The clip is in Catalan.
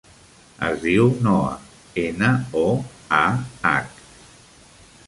Es diu Noah: ena, o, a, hac.